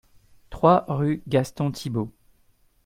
trois rue Gaston Thiebaut